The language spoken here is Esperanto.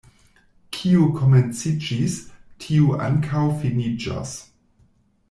Kio komenciĝis, tio ankaŭ finiĝos.